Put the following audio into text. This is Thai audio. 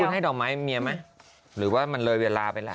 คุณให้ดอกไม้เมียไหมหรือว่ามันเลยเวลาไปแล้ว